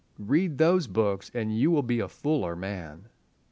Read those books, and you will be a fuller man.